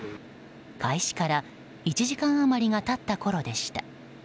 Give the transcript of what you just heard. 開始から１時間余りが経ったころでした。